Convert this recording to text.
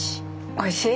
おいしい？